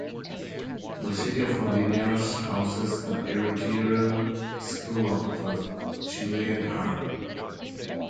The city of Linares houses the artillery school of the Chilean Army.